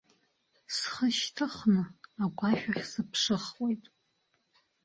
Схы шьҭыхны агәашә ахь сыԥшыхуеит.